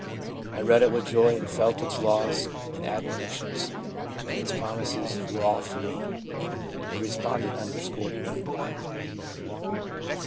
I read it with joy, and felt its laws, its admoni tions and its promises were all for me.' (The respondent underscored 'me.')